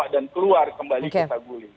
dan keluar kembali ke sambo guling